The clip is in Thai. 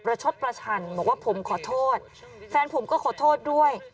ชดประชันบอกว่าผมขอโทษแฟนผมก็ขอโทษด้วย